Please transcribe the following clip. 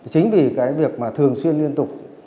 chính vì cái việc mà thường xuyên liên tục